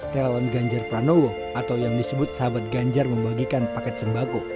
relawan ganjar pranowo atau yang disebut sahabat ganjar membagikan paket sembako